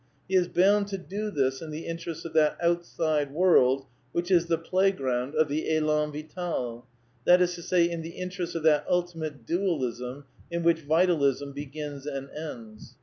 He is bound to do this in the interests of that ^^ outside world " which is the playground of the JSlan Vital — that is to say, in the interests of that ultimate dualism in which ' Vitalism begins and ends.